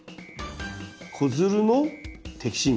子づるの摘心。